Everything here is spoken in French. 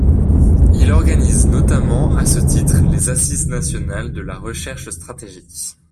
Il organise notamment à ce titre les Assises Nationales de la Recherche Stratégique.